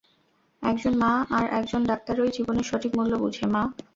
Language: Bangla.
একজন মা আর একজন ডাক্তারই জীবনের সঠিক মূল্য বুঝে, মা।